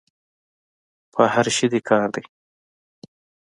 په هر شي دي کار دی.